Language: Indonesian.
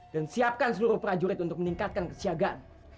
dan siapkan seluruh prajurit untuk meningkatkan kesiagaan